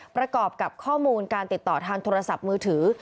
ประกอบกับข้อมูลการติดต่อทางโทรศัพท์มือถือ